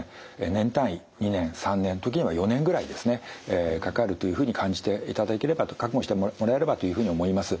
年単位２年３年時には４年ぐらいですねかかるというふうに感じていただければと覚悟してもらえればというふうに思います。